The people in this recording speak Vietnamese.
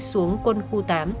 xuống quân khu tám